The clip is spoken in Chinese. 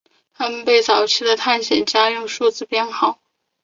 他们被早期的探险家用数字编号。